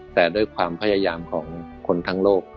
แต่ด้วยความพยายามของคนทั้งโลก